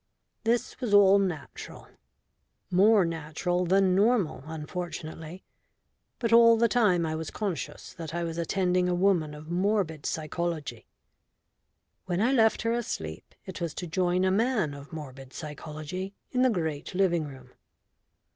This was all natural more natural than normal unfortunately but all the time I was conscious that I was attending a woman of morbid psychology. When I left her asleep, it was to join a man of morbid psychology in the great living room.